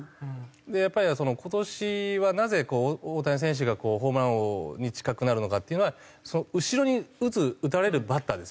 やっぱり今年はなぜ大谷選手がホームラン王に近くなるのかっていうのは後ろに打つ打たれるバッターですよね。